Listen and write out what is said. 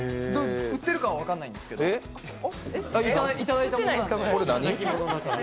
売ってるかは分からないんですけど、いただいたものなので。